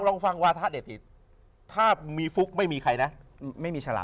ลองฟังว่าถ้าผมได้ผิด